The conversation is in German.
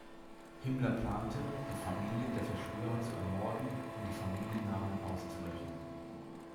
Himmler plante, die Familien der Verschwörer zu ermorden und die Familiennamen auszulöschen.